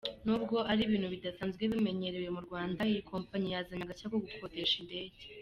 Nubwo ari ibintu bidasanzwe bimenyerewe mu Rwanda, iyi kompanyi yazanye agashya ko gukodesha indege.